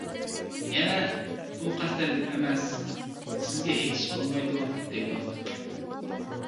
يەنە «بۇ قەستەنلىك ئەمەس. سىزگە ھېچ ئىش بولمايدۇ» دەيدۇ.